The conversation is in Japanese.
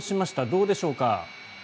どうでしょうか？